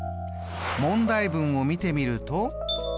問題文を見てみると？